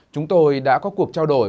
chúng tôi đã có cuộc trao đổi